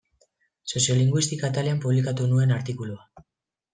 Soziolinguistika atalean publikatu nuen artikulua.